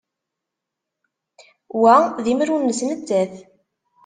Wa d imru-nnes nettat.